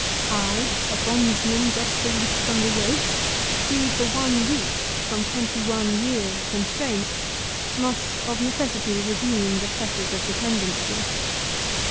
I, a bondsman just released from the yoke, freed for one week from twenty one years of constraint, must, of necessity, resume the fetters of dependency.